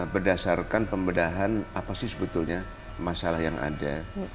berdasarkan pembedahan apa sih sebetulnya masalah yang ada